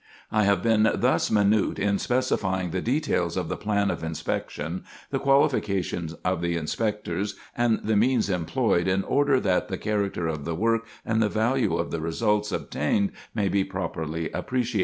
I have been thus minute in specifying the details of the plan of inspection, the qualifications of the Inspectors, and the means employed, in order that the character of the work and the value of the results obtained may be properly appreciated.